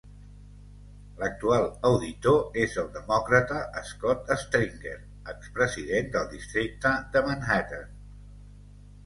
L'actual auditor és el demòcrata Scott Stringer, expresident del districte de Manhattan.